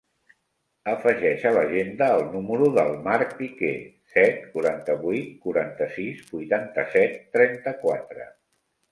Afegeix a l'agenda el número del Mark Piquer: set, quaranta-vuit, quaranta-sis, vuitanta-set, trenta-quatre.